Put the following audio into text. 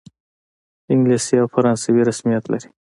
انګلیسي او فرانسوي رسمیت لري.